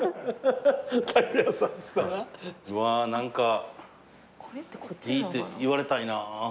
うわー何か「いい」って言われたいな。